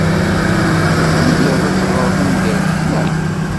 Tḥemmled ad teɣred ungalen, naɣ?